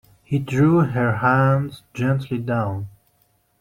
He drew her hands gently down.